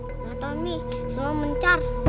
tidak tahu nih semua mencar